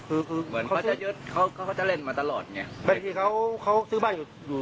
คือคือเหมือนเขาจะเล่นมาตลอดไงเป็นที่เขาเขาซื้อบ้านอยู่อยู่